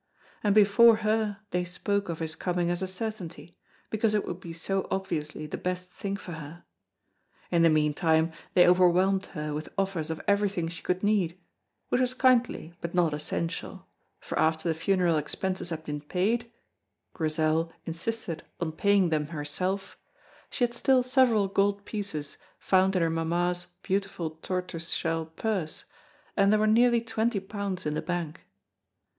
and before her they spoke of his coming as a certainty, because it would be so obviously the best thing for her. In the meantime they overwhelmed her with offers of everything she could need, which was kindly but not essential, for after the funeral expenses had been paid (Grizel insisted on paying them herself) she had still several gold pieces, found in her mamma's beautiful tortoise shell purse, and there were nearly twenty pounds in the bank.